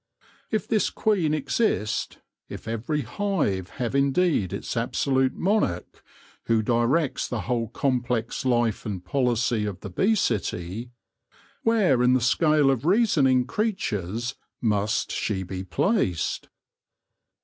If this queen exist, if every hive have indeed its absolute monarch, who directs the whole complex life and policy of the bee city, where in the scale of reasoning creatures must she be placed